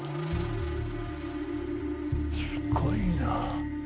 すごいな。